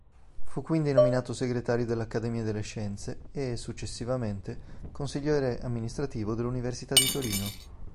Fu quindi nominato segretario dell'Accademia delle Scienze e, successivamente, consigliere amministrativo dell'Università di Torino.